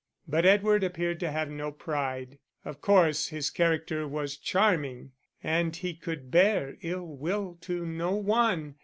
But Edward appeared to have no pride; of course his character was charming, and he could bear ill will to no one.